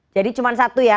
jadi cuma satu ya